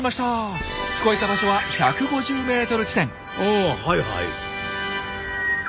あはいはい。